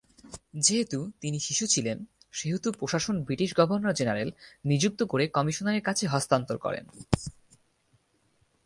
যেহেতু তিনি শিশু ছিলেন সেহেতু প্রশাসন ব্রিটিশ গভর্নর জেনারেল নিযুক্ত করে কমিশনারের কাছে হস্তান্তর করেন।